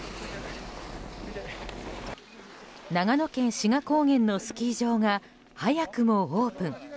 長野県志賀高原のスキー場が早くもオープン。